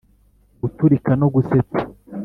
guturika no gusetsa-